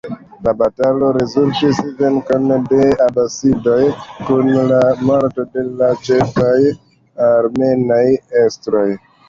La batalo rezultigis venkon de abasidoj, kun la morto de la ĉefaj armenaj estroj.